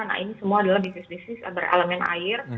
nah ini semua adalah bisnis bisnis dari elemen air